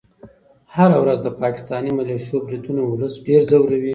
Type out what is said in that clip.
هره ورځ د پاکستاني ملیشو بریدونه ولس ډېر ځوروي.